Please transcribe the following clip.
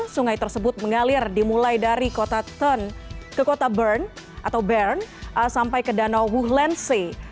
sungai tersebut mengalir dimulai dari kota thun ke kota bern sampai ke danau wuhlensee